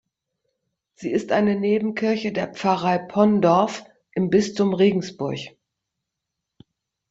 Sie ist eine Nebenkirche der Pfarrei Pondorf im Bistum Regensburg.